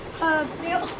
強っ！